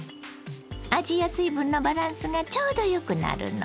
味や水分のバランスがちょうどよくなるの。